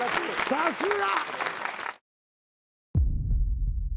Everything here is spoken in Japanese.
さすが！